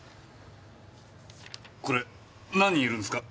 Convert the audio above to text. これ何人いるんすか？